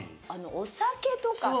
お酒とかさ。